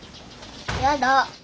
やだ。